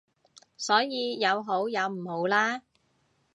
所以有好有唔好啦